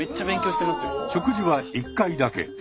食事は１回だけ。